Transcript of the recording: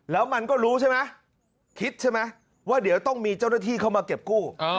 แล้วมันก็รู้ใช่ไหมคิดใช่ไหมว่าเดี๋ยวต้องมีเจ้าหน้าที่เข้ามาเก็บกู้